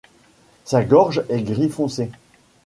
Sa gorge est gris foncé.